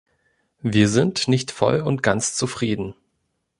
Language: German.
Wir sind nicht voll und ganz zufrieden.